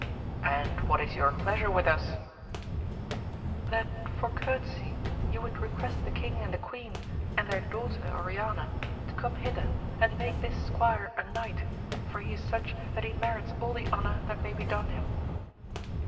— ^And what is your pleasure with us ?— That for courtesy you would i^jequest the king and the queen and their daughter 176 AMADIS OF OAUL. Oriana to come hither and make this squire a knight, for he is such that he merits all the honour that may be done him.